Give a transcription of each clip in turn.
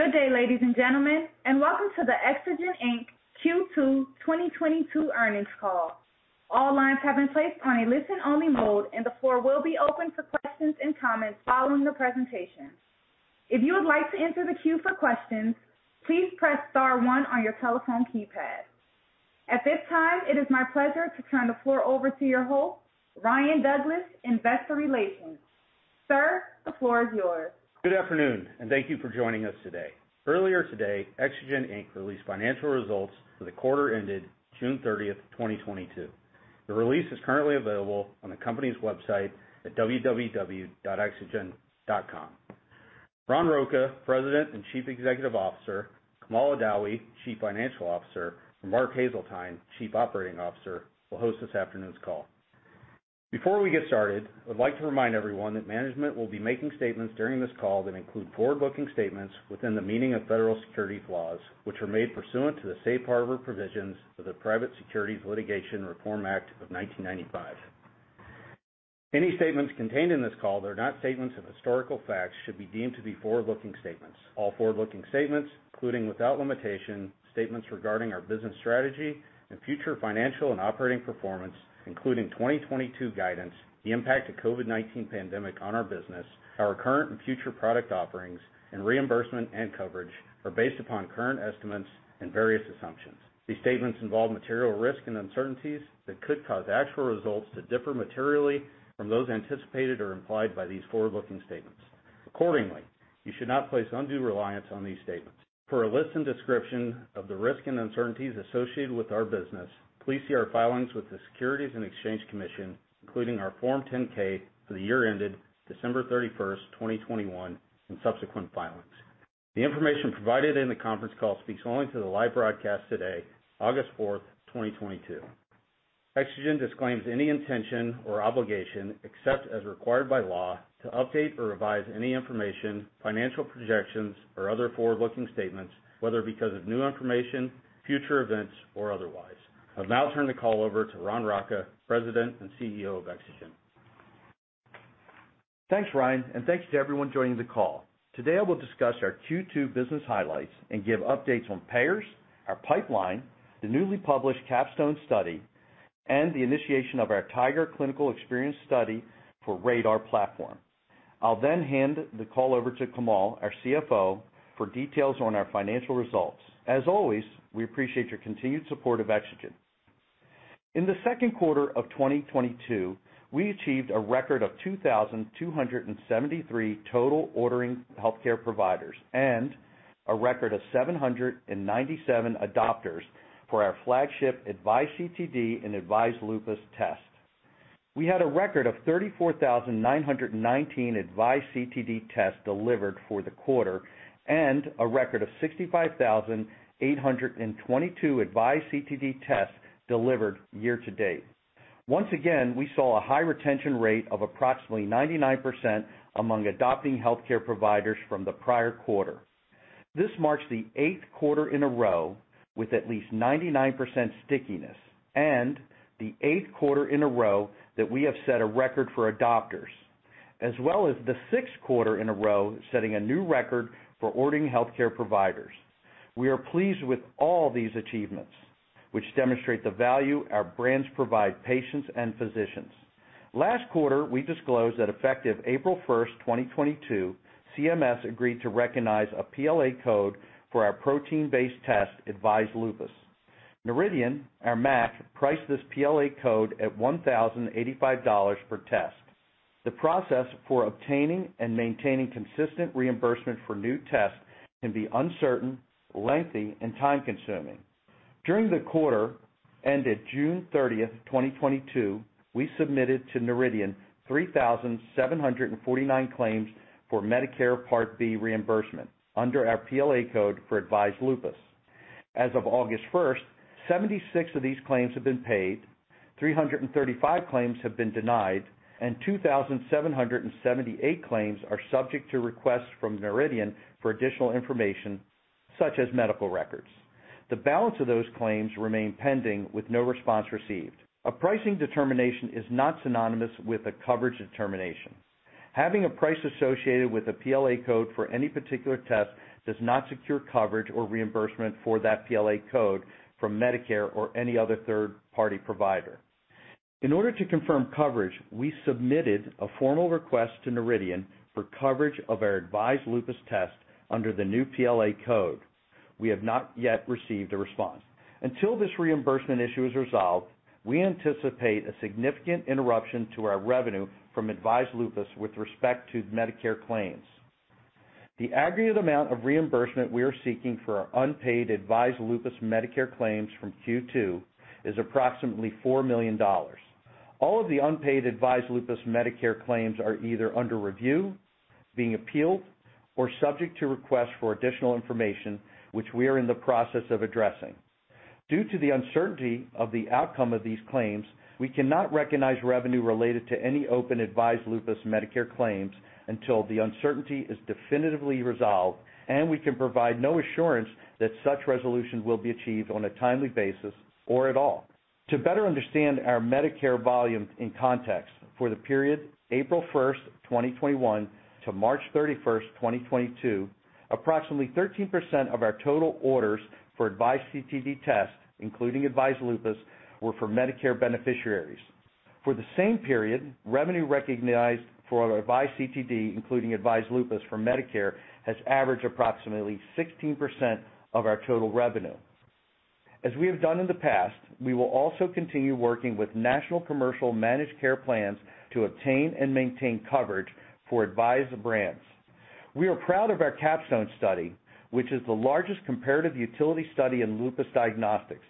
Good day, ladies and gentlemen, and welcome to the Exagen Inc. Q2 2022 earnings call. All lines have been placed on a listen-only mode, and the floor will be open for questions and comments following the presentation. If you would like to enter the queue for questions, please press star one on your telephone keypad. At this time, it is my pleasure to turn the floor over to your host, Ryan Douglas, Investor Relations. Sir, the floor is yours. Good afternoon and thank you for joining us today. Earlier today, Exagen Inc. released financial results for the quarter ended June 30, 2022. The release is currently available on the company's website at www.exagen.com. Ron Rocca, President and Chief Executive Officer, Kamal Adawi, Chief Financial Officer, and Mark Hazeltine, Chief Operating Officer, will host this afternoon's call. Before we get started, I'd like to remind everyone that management will be making statements during this call that include forward-looking statements within the meaning of federal securities laws, which are made pursuant to the safe harbor provisions of the Private Securities Litigation Reform Act of 1995. Any statements contained in this call that are not statements of historical facts should be deemed to be forward-looking statements. All forward-looking statements, including without limitation statements regarding our business strategy and future financial and operating performance, including 2022 guidance, the impact of COVID-19 pandemic on our business, our current and future product offerings, and reimbursement and coverage are based upon current estimates and various assumptions. These statements involve material risk and uncertainties that could cause actual results to differ materially from those anticipated or implied by these forward-looking statements. Accordingly, you should not place undue reliance on these statements. For a list and description of the risk and uncertainties associated with our business, please see our filings with the Securities and Exchange Commission, including our Form 10-K for the year ended December 31, 2021, and subsequent filings. The information provided in the conference call speaks only to the live broadcast today, August 4, 2022. Exagen disclaims any intention or obligation, except as required by law, to update or revise any information, financial projections, or other forward-looking statements, whether because of new information, future events, or otherwise. I'll now turn the call over to Ron Rocca, President and CEO of Exagen. Thanks, Ryan, and thanks to everyone joining the call. Today, I will discuss our Q2 business highlights and give updates on payers, our pipeline, the newly published CAPSTONE study, and the initiation of our TiGER clinical experience study for AVISE RADR platform. I'll then hand the call over to Kamal, our CFO, for details on our financial results. As always, we appreciate your continued support of Exagen. In the second quarter of 2022, we achieved a record of 2,273 total ordering healthcare providers and a record of 797 adopters for our flagship AVISE CTD and AVISE Lupus tests. We had a record of 34,919 AVISE CTD tests delivered for the quarter and a record of 65,822 AVISE CTD tests delivered year to date. Once again, we saw a high retention rate of approximately 99% among adopting healthcare providers from the prior quarter. This marks the eighth quarter in a row with at least 99% stickiness and the eighth quarter in a row that we have set a record for adopters, as well as the sixth quarter in a row setting a new record for ordering healthcare providers. We are pleased with all these achievements, which demonstrate the value our brands provide patients and physicians. Last quarter, we disclosed that effective April 1, 2022, CMS agreed to recognize a PLA code for our protein-based test, AVISE Lupus. Noridian, our MAC, priced this PLA code at $1,085 per test. The process for obtaining and maintaining consistent reimbursement for new tests can be uncertain, lengthy, and time-consuming. During the quarter ended June 30, 2022, we submitted to Noridian 3,749 claims for Medicare Part B reimbursement under our PLA code for AVISE Lupus. As of August 1, 76 of these claims have been paid, 335 claims have been denied, and 2,778 claims are subject to requests from Noridian for additional information, such as medical records. The balance of those claims remain pending with no response received. A pricing determination is not synonymous with a coverage determination. Having a price associated with a PLA code for any particular test does not secure coverage or reimbursement for that PLA code from Medicare or any other third-party provider. In order to confirm coverage, we submitted a formal request to Noridian for coverage of our AVISE Lupus tests under the new PLA code. We have not yet received a response. Until this reimbursement issue is resolved, we anticipate a significant interruption to our revenue from AVISE Lupus with respect to Medicare claims. The aggregate amount of reimbursement we are seeking for our unpaid AVISE Lupus Medicare claims from Q2 is approximately $4 million. All of the unpaid AVISE Lupus Medicare claims are either under review, being appealed, or subject to request for additional information, which we are in the process of addressing. Due to the uncertainty of the outcome of these claims, we cannot recognize revenue related to any open AVISE Lupus Medicare claims until the uncertainty is definitively resolved, and we can provide no assurance that such resolution will be achieved on a timely basis or at all. To better understand our Medicare volume in context. For the period April 1, 2021 to March 31, 2022, approximately 13% of our total orders for AVISE CTD tests, including AVISE Lupus, were for Medicare beneficiaries. For the same period, revenue recognized for our AVISE CTD, including AVISE Lupus, from Medicare, has averaged approximately 16% of our total revenue. We will also continue working with national commercial managed care plans to obtain and maintain coverage for AVISE brands. We are proud of our CAPSTONE study, which is the largest comparative utility study in lupus diagnostics.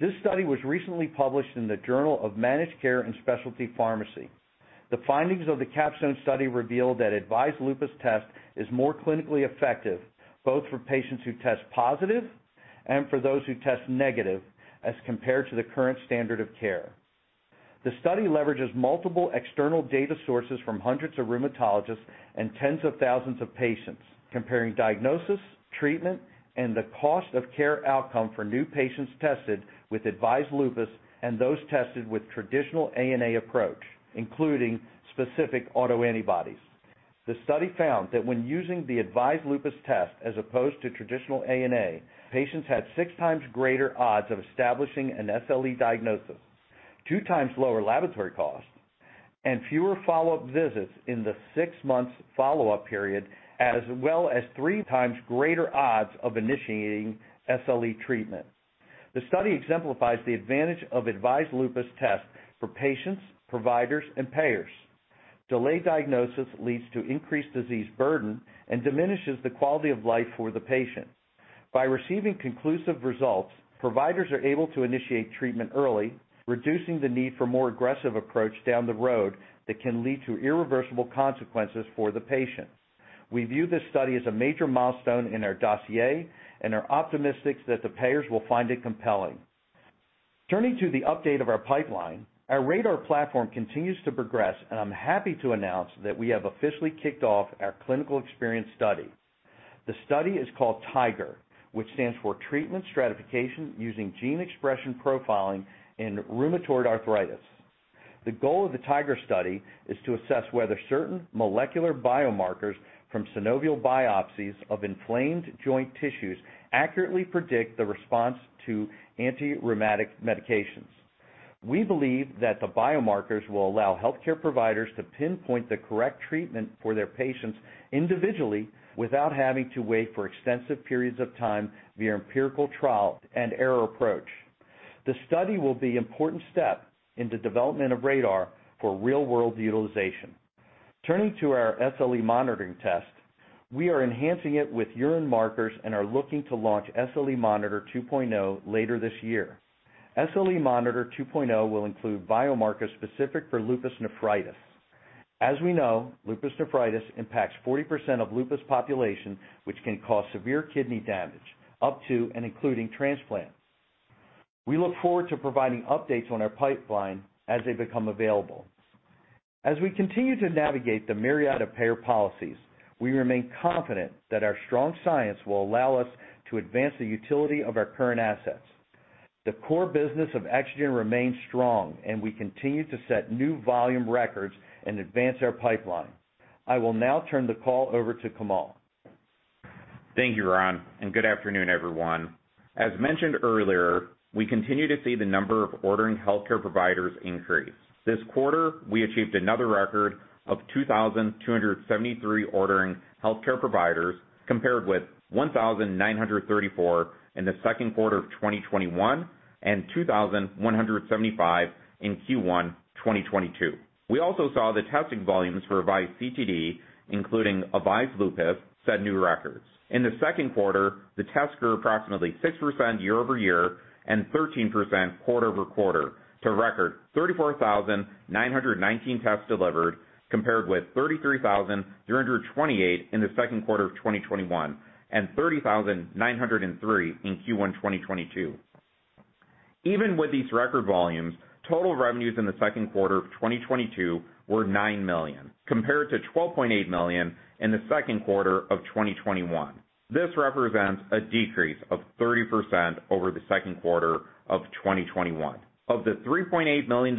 This study was recently published in the Journal of Managed Care & Specialty Pharmacy. The findings of the CAPSTONE study revealed that AVISE Lupus tests is more clinically effective, both for patients who test positive and for those who test negative as compared to the current standard of care. The study leverages multiple external data sources from hundreds of rheumatologists and tens of thousands of patients comparing diagnosis, treatment, and the cost of care outcome for new patients tested with AVISE Lupus and those tested with traditional ANA approach, including specific autoantibodies. The study found that when using the AVISE Lupus tests as opposed to traditional ANA, patients had six times greater odds of establishing an SLE diagnosis, two times lower laboratory costs, and fewer follow-up visits in the six months follow-up period, as well as three times greater odds of initiating SLE treatment. The study exemplifies the advantage of AVISE Lupus tests for patients, providers, and payers. Delayed diagnosis leads to increased disease burden and diminishes the quality of life for the patient. By receiving conclusive results, providers are able to initiate treatment early, reducing the need for more aggressive approach down the road that can lead to irreversible consequences for the patients. We view this study as a major milestone in our dossier and are optimistic that the payers will find it compelling. Turning to the update of our pipeline, our RADR platform continues to progress, and I'm happy to announce that we have officially kicked off our clinical experience study. The study is called TiGER, which stands for Treatment Stratification Using Gene Expression Profiling in Rheumatoid Arthritis. The goal of the TiGER study is to assess whether certain molecular biomarkers from synovial biopsies of inflamed joint tissues accurately predict the response to antirheumatic medications. We believe that the biomarkers will allow healthcare providers to pinpoint the correct treatment for their patients individually without having to wait for extensive periods of time via empirical trial and error approach. The study will be an important step in the development of RADR for real-world utilization. Turning to our SLE monitoring test, we are enhancing it with urine markers and are looking to launch AVISE SLE Monitor 2.0 later this year. AVISE SLE Monitor 2.0 will include biomarkers specific for lupus nephritis. As we know, lupus nephritis impacts 40% of lupus population, which can cause severe kidney damage, up to and including transplant. We look forward to providing updates on our pipeline as they become available. As we continue to navigate the myriad of payer policies, we remain confident that our strong science will allow us to advance the utility of our current assets. The core business of Exagen remains strong, and we continue to set new volume records and advance our pipeline. I will now turn the call over to Kamal. Thank you, Ron, and good afternoon, everyone. As mentioned earlier, we continue to see the number of ordering healthcare providers increase. This quarter, we achieved another record of 2,273 ordering healthcare providers, compared with 1,934 in the second quarter of 2021 and 2,175 in Q1 2022. We also saw the testing volumes for AVISE CTD, including AVISE Lupus, set new records. In the second quarter, the tests grew approximately 6% year-over-year and 13% quarter-over-quarter to record 34,919 tests delivered, compared with 33,328 in the second quarter of 2021 and 30,903 in Q1 2022. Even with these record volumes, total revenues in the second quarter of 2022 were $9.0 Million, compared to $12.8 million in the second quarter of 2021. This represents a decrease of 30% over the second quarter of 2021. Of the $3.8 million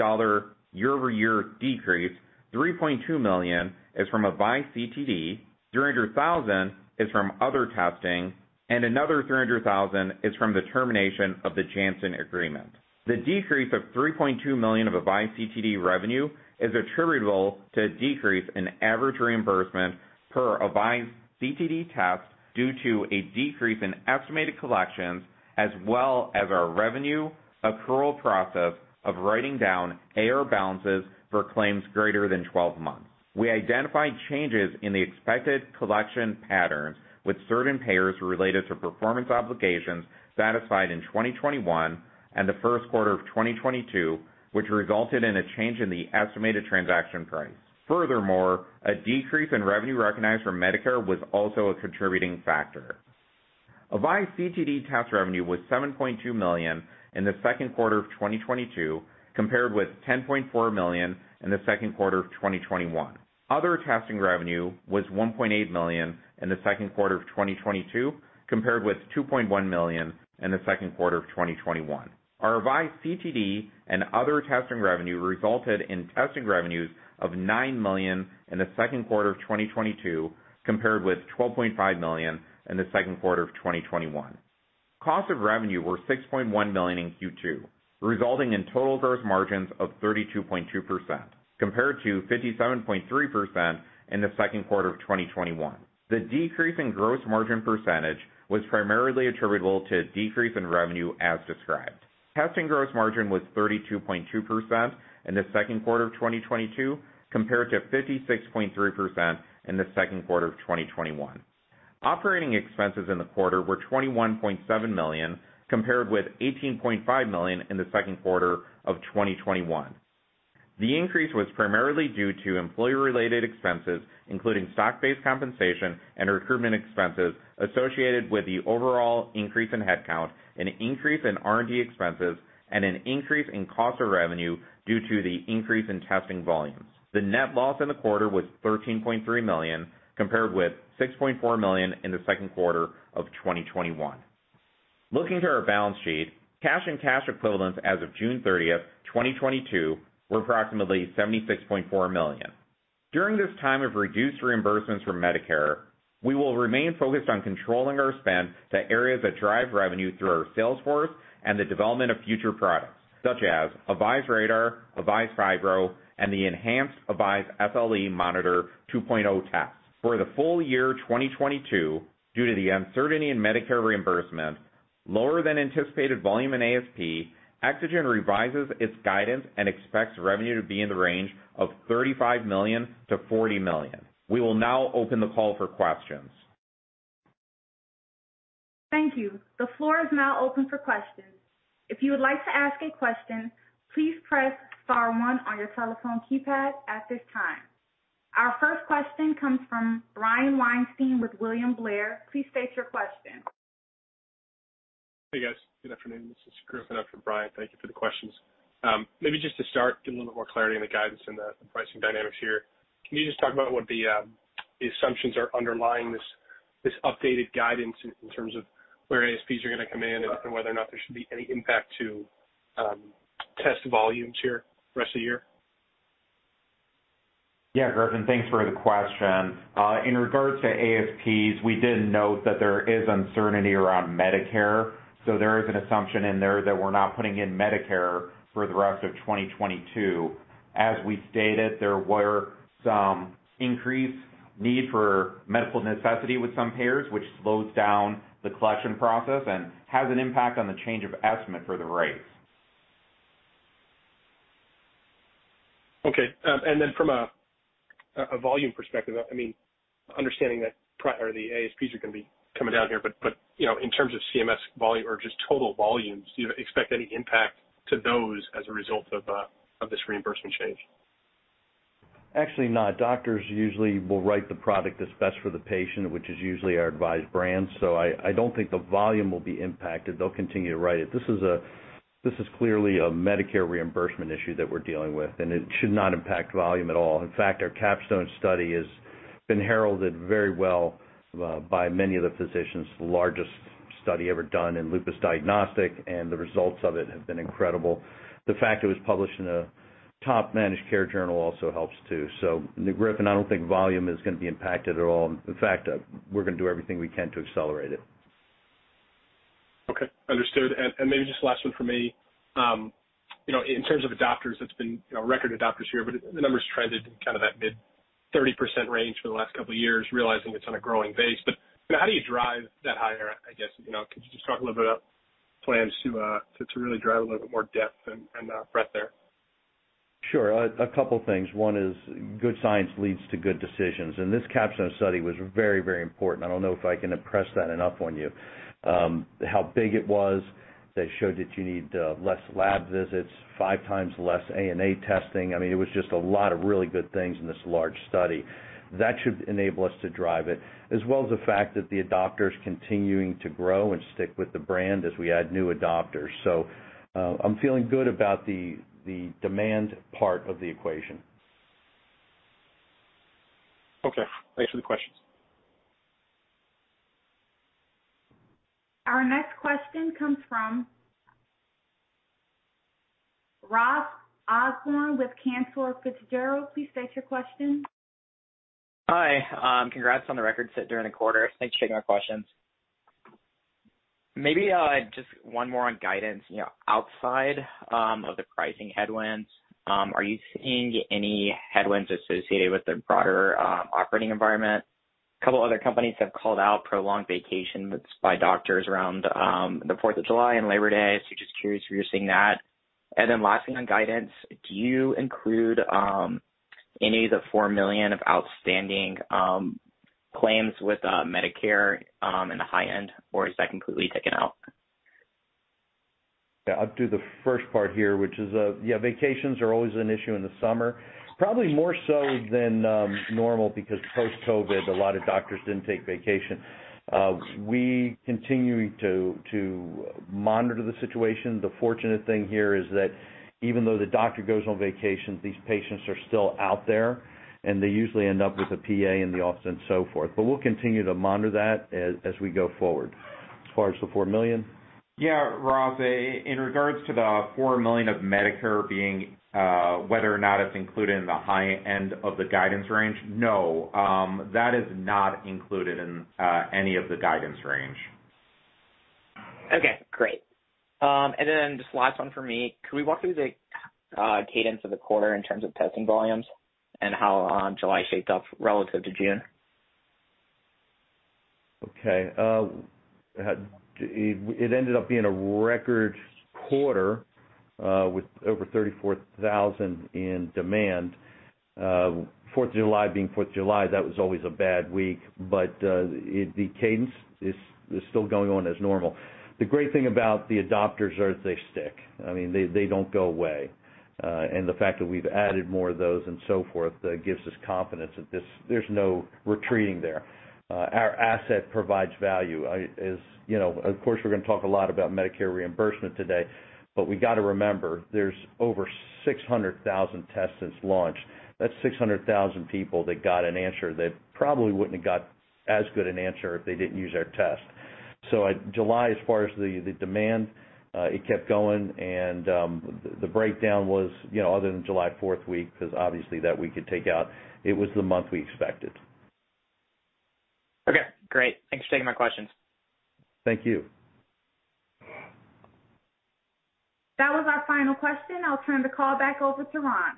year-over-year decrease, $3.2 million is from AVISE CTD, $300,000 is from other testing, and another $300,000 is from the termination of the Janssen agreement. The decrease of $3.2 million of AVISE CTD revenue is attributable to a decrease in average reimbursement per AVISE CTD test due to a decrease in estimated collections as well as our revenue accrual process of writing down AR balances for claims greater than 12 months. We identified changes in the expected collection patterns with certain payers related to performance obligations satisfied in 2021 and the first quarter of 2022, which resulted in a change in the estimated transaction price. Furthermore, a decrease in revenue recognized from Medicare was also a contributing factor. AVISE CTD test revenue was $7.2 million in the second quarter of 2022, compared with $10.4 million in the second quarter of 2021. Other testing revenue was $1.8 million in the second quarter of 2022, compared with $2.1 million in the second quarter of 2021. Our AVISE CTD and other testing revenue resulted in testing revenues of $9.0 Million in the second quarter of 2022, compared with $12.5 million in the second quarter of 2021. Cost of revenue were $6.1 million in Q2, resulting in total gross margins of 32.2% compared to 57.3% in the second quarter of 2021. The decrease in gross margin percentage was primarily attributable to a decrease in revenue as described. Testing gross margin was 32.2% in the second quarter of 2022 compared to 56.3% in the second quarter of 2021. Operating expenses in the quarter were $21.7 million, compared with $18.5 million in the second quarter of 2021. The increase was primarily due to employee-related expenses, including stock-based compensation and recruitment expenses associated with the overall increase in headcount, an increase in R&D expenses, and an increase in cost of revenue due to the increase in testing volumes. The net loss in the quarter was $13.3 million, compared with $6.4 million in the second quarter of 2021. Looking to our balance sheet, cash and cash equivalents as of June 30, 2022 were approximately $76.4 million. During this time of reduced reimbursements from Medicare, we will remain focused on controlling our spend to areas that drive revenue through our sales force and the development of future products such as AVISE RADR, AVISE Fibro, and the enhanced AVISE SLE Monitor 2.0 test. For the full year 2022, due to the uncertainty in Medicare reimbursement, lower-than-anticipated volume in ASP, Exagen revises its guidance and expects revenue to be in the range of $35 million to $40 million. We will now open the call for questions. Thank you. The floor is now open for questions. If you would like to ask a question, please press star one on your telephone keypad at this time. Our first question comes from Brian Weinstein with William Blair. Please state your question. Hey, guys. Good afternoon. This is Griffin on for Brian, thank you for the questions. Maybe just to start, get a little more clarity on the guidance and the pricing dynamics here. Can you just talk about what the assumptions are underlying this updated guidance in terms of where ASPs are going to come in and whether or not there should be any impact to test volumes here the rest of the year? Yeah, Griffin, thanks for the question. In regards to ASPs, we did note that there is uncertainty around Medicare, so there is an assumption in there that we're not putting in Medicare for the rest of 2022. As we stated, there were some increased need for medical necessity with some payers, which slows down the collection process and has an impact on the change of estimate for the rates. From a volume perspective, I mean, understanding that the ASPs are going to be coming down here, but you know, in terms of CMS volume or just total volumes, do you expect any impact to those as a result of this reimbursement change? Actually, not. Doctors usually will write the product that's best for the patient, which is usually our AVISE brand. I don't think the volume will be impacted. They'll continue to write it. This is clearly a Medicare reimbursement issue that we're dealing with, and it should not impact volume at all. In fact, our CAPSTONE study has been heralded very well by many of the physicians, the largest study ever done in lupus diagnostics, and the results of it have been incredible. The fact it was published in a top managed care journal also helps too. Griffin, I don't think volume is going to be impacted at all. In fact, we're going to do everything we can to accelerate it. Okay. Understood. Maybe just last one for me. You know, in terms of adopters, it's been, you know, record adopters here, but the numbers trended in kind of that mid-30% range for the last couple of years, realizing it's on a growing base. How do you drive that higher, I guess? You know, could you just talk a little bit about plans to really drive a little bit more depth and breadth there? Sure. A couple of things. One is good science leads to good decisions, and this CAPSTONE study was very, very important. I don't know if I can impress that enough on you. How big it was. They showed that you need less lab visits, five times less ANA testing. I mean, it was just a lot of really good things in this large study. That should enable us to drive it, as well as the fact that the adopters continuing to grow and stick with the brand as we add new adopters. I'm feeling good about the demand part of the equation. Okay. Thanks for the questions. Our next question comes from Ross Osborn with Cantor Fitzgerald. Please state your question. Hi. Congrats on the record set during the quarter. Thanks for taking our questions. Maybe just one more on guidance. You know, outside of the pricing headwinds, are you seeing any headwinds associated with the broader operating environment? A couple of other companies have called out prolonged vacations by doctors around the Fourth of July and Labor Day. Just curious if you're seeing that. Then lastly on guidance, do you include any of the $4 million of outstanding claims with Medicare in the high end, or is that completely taken out? Yeah, I'll do the first part here, which is, yeah, vacations are always an issue in the summer, probably more so than normal because post-COVID, a lot of doctors didn't take vacation. We continue to monitor the situation. The fortunate thing here is that even though the doctor goes on vacation, these patients are still out there, and they usually end up with a PA in the office and so forth. We'll continue to monitor that as we go forward. As far as the $4 million? Yeah, Ross, in regards to the $4 million of Medicare being whether or not it's included in the high end of the guidance range, no, that is not included in any of the guidance range. Okay, great. Just last one for me. Could we walk through the cadence of the quarter in terms of testing volumes and how July shaped up relative to June? Okay. It ended up being a record quarter with over 34,000 in demand. Fourth of July being Fourth of July, that was always a bad week, but the cadence is still going on as normal. The great thing about the adopters are that they stick. I mean, they don't go away. The fact that we've added more of those and so forth gives us confidence that there's no retreating there. Our asset provides value. As you know, of course, we're gonna talk a lot about Medicare reimbursement today, but we gotta remember, there's over 600,000 tests since launch. That's 600,000 people that got an answer that probably wouldn't have got as good an answer if they didn't use our test. At July, as far as the demand, it kept going, and the breakdown was, you know, other than July Fourth week, because obviously that we could take out, it was the month we expected. Okay, great. Thanks for taking my questions. Thank you. That was our final question. I'll turn the call back over to Ron.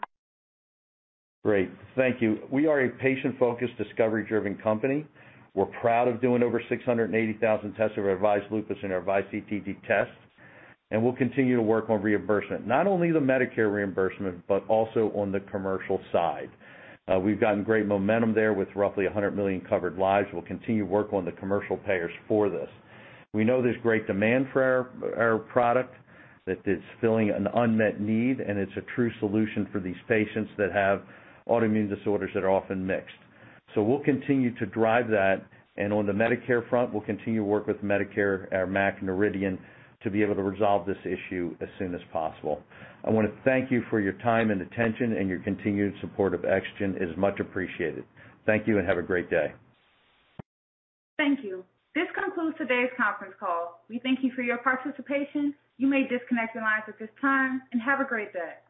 Great. Thank you. We are a patient-focused, discovery-driven company. We're proud of doing over 680,000 tests of our AVISE Lupus and our AVISE CTD tests. We'll continue to work on reimbursement, not only the Medicare reimbursement, but also on the commercial side. We've gotten great momentum there with roughly 100 million covered lives. We'll continue to work on the commercial payers for this. We know there's great demand for our product, that it's filling an unmet need, and it's a true solution for these patients that have autoimmune disorders that are often mixed. We'll continue to drive that. On the Medicare front, we'll continue to work with Medicare, our MAC Noridian, to be able to resolve this issue as soon as possible. I wanna thank you for your time and attention and your continued support of Exagen is much appreciated. Thank you and have a great day. Thank you. This concludes today's conference call. We thank you for your participation. You may disconnect your lines at this time, and have a great day.